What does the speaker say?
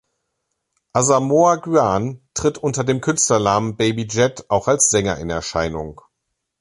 Asamoah Gyan tritt unter dem Künstlernamen "Baby Jet" auch als Sänger in Erscheinung.